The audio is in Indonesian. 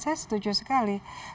saya setuju sekali